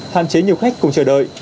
hạn chế nhiều khách cùng chờ đợi